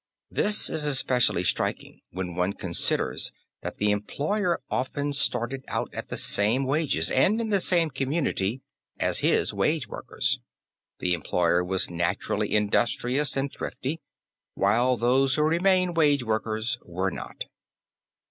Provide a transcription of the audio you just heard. This is especially striking when one considers that the employer often started out at the same wages and in the same community as his wage workers. The employer was naturally industrious and thrifty; while those who remained wage workers were not.